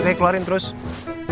kayaknya pernah pernah